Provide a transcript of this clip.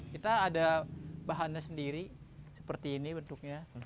kita ada bahannya sendiri seperti ini bentuknya